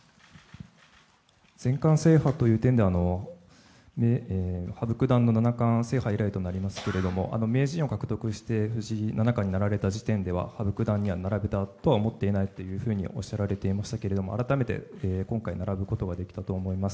全冠制覇という点で羽生九段の七冠制覇以来となりますけど名人を獲得して藤井七冠になられた時点では羽生九段には並べないと思っているとおっしゃっていましたけど改めて今回並ぶことができたと思います。